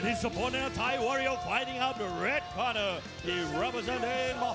จินดูดิวเซงทายเวอร์เยอร์ที่กำลังกลับมากินที่สอง